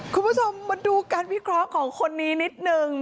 คุณผู้ชมมาดูการวิเคราะห์ของคนนี้นิดนึง